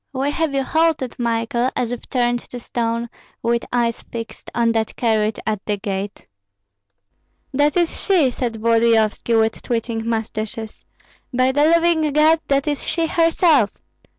Why have you halted, Michael, as if turned to stone, with eyes fixed on that carriage at the gate?" "That is she!" said Volodyovski, with twitching mustaches. "By the living God, that is she herself!"